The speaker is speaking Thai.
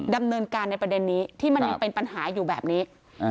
ดำเนินการในประเด็นนี้ที่มันยังเป็นปัญหาอยู่แบบนี้